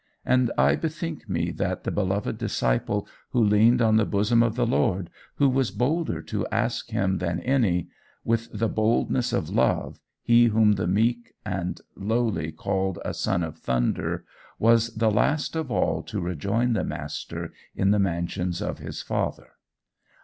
And I bethink me that the beloved disciple, who leaned on the bosom of the Lord, who was bolder to ask him than any with the boldness of love, he whom the meek and lowly called a Son of Thunder, was the last of all to rejoin the master in the mansions of his Father.